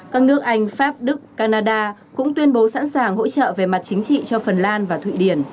các nước anh pháp đức canada cũng tuyên bố sẵn sàng hỗ trợ về mặt chính trị cho phần lan và thụy điển